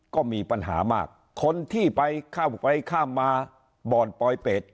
ก็มีปัญหามากคนที่ไปข้ามไปข้ามมาบ่อนปลอยเป็ด